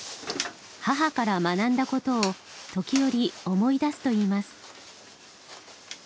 母から学んだことを時折思い出すといいます。